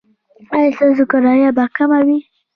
ایا ستاسو کرایه به کمه وي؟